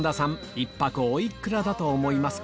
１泊お幾らだと思いますか？